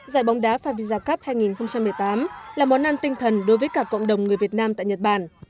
giải bóng đá favisa cup hai nghìn một mươi tám là món ăn tinh thần đối với cả cộng đồng người việt nam tại nhật bản